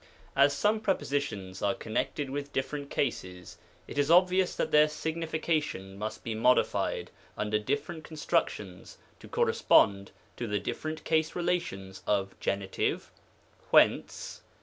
As some prepositions are connected with different cases, it is obvious that their signification must be modified under different constructions to correspond to the different case relations of Genitive (whence